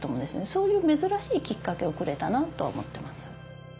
そういう珍しいきっかけをくれたなと思ってます。